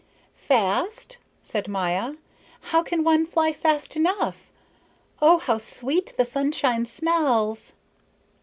"Fast?" said Maya. "How can one fly fast enough? Oh, how sweet the sunshine smells!"